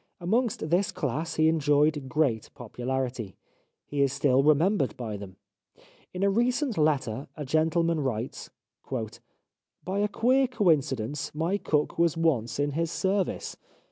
Amongst this class he enjoyed great popularity. He is still remem bered by them. In a recent letter a gentleman writes :" By a queer coincidence my cook was once in his service.